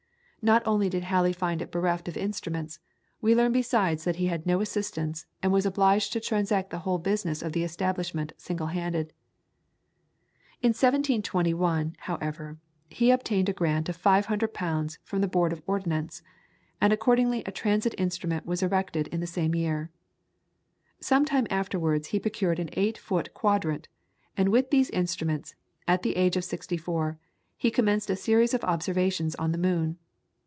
Not only did Halley find it bereft of instruments, we learn besides that he had no assistants, and was obliged to transact the whole business of the establishment single handed. In 1721, however, he obtained a grant of 500 pounds from the Board of Ordnance, and accordingly a transit instrument was erected in the same year. Some time afterwards he procured an eight foot quadrant, and with these instruments, at the age of sixty four, he commenced a series of observations on the moon.